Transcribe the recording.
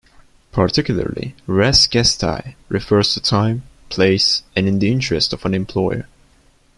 Particularly, "res gestae" refers to time, place, and in the interest of an employer.